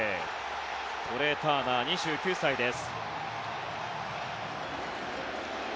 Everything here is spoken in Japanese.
トレー・ターナー２９歳です。